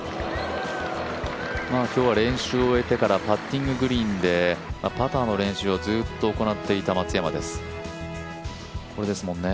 今日は練習を終えてからパッティンググリーンでパターの練習をずっと行っていた松山です、これですもんね。